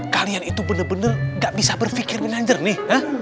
kalian itu bener bener nggak bisa berpikir bener bener nih